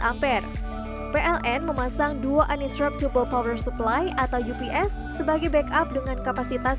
ampere pln memasang dua uninterptable power supply atau ups sebagai backup dengan kapasitas